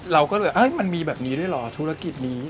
เราก็เลยมันมีแบบนี้ด้วยเหรอธุรกิจนี้